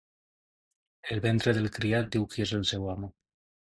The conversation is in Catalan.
El ventre del criat diu qui és el seu amo.